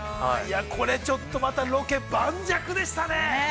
◆これちょっと、ロケ盤石でしたね。